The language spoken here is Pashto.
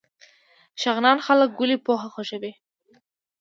شغنان خلک ولې پوهه خوښوي؟